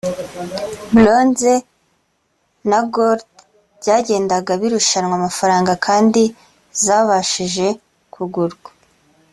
Blonze na Gold byagendaga birushanwa amafaranga kandi zabashije kugurwa